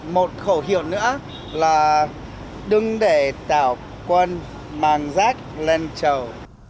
một khẩu hiệu nữa là đừng để tạo quân mang rác lên trầu